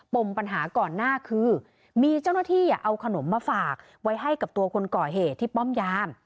ปมปัญหาก่อนหน้าคือมีเจ้าหน้าที่เอาขนมมาฝากไว้ให้กับตัวคนก่อเหตุที่ป้อมยาม